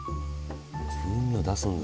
風味を出すんだ？